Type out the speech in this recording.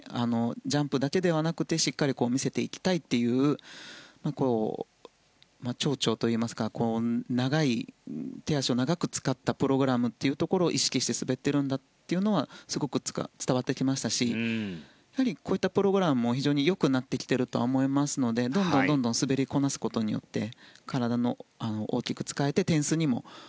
ジャンプだけではなくてしっかり見せていきたいというところを手足を長く使ったプログラムを意識して滑っているというのはすごく伝わってきましたしこういったプログラムも良くなってきていると思いますのでどんどん滑りこなすことによって体も大きく使えて、点数の部分。